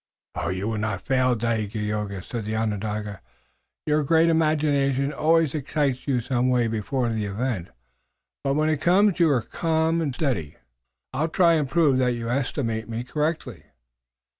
"You will not fail, Dagaeoga," said the Onondaga. "Your great imagination always excites you somewhat before the event, but when it comes you are calm and steady." "I'll try to prove that you estimate me correctly."